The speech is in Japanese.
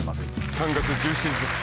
３月１７日です